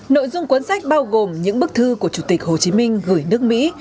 nội dung cuốn sách bao gồm những bức thư của chủ tịch hồ chí minh gửi nước mỹ